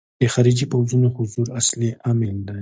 د خارجي پوځونو حضور اصلي عامل دی.